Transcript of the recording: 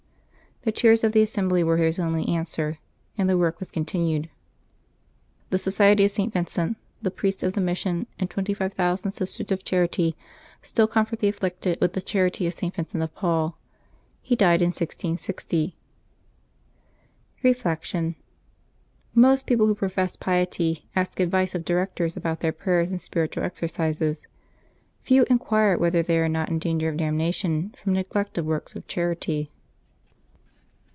The tears of the assembly were his only answer, and the work was continued. The Society of St. Vincent, the Priests of the Mission, and 25,000 Sisters of Charity still comfort the afflicted with the charity of St. Vincent of Paul. He died in 1660. Reflection. — Most people who profess piety ask advice of directors about their prayers and spiritual exercises. Few inquire whether they are not in danger of damnation from neglect of works of charity.